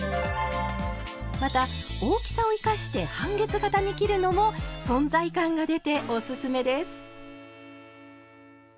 また大きさを生かして半月形に切るのも存在感が出ておすすめです。